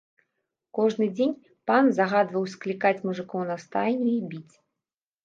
Кожны дзень пан загадваў склікаць мужыкоў на стайню і біць.